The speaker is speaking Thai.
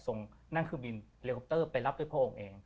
ส่งนั่งคลิกบินพลีโคปเตอร์ไปรับกับพ่อองค์เอง